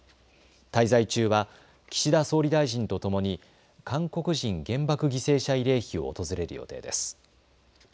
滞在中は岸田総理大臣とともに韓国人原爆犠牲者慰霊碑を訪れる予定です。